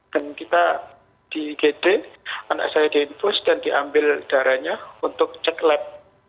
kita di gd anak saya diinfus dan diambil darahnya untuk cek lab